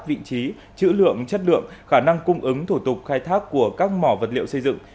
vị trí chữ lượng chất lượng khả năng cung ứng thủ tục khai thác của các mỏ vật liệu xây dựng